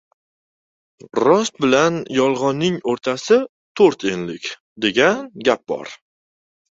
«Rost bilan yolg‘onning o‘rtasi - to‘rt enlik», degan gap bor.